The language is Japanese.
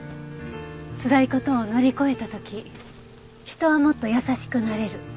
「辛いことを乗り越えた時人はもっと優しくなれる」。